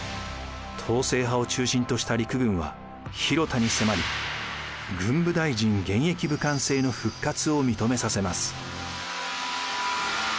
統制派を中心とした陸軍は広田に迫り軍部大臣現役武官制の復活を認めさせます。